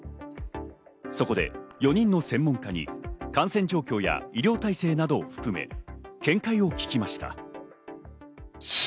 そこで４人の専門家に感染状況や医療体制などを含め、見解を聞きました。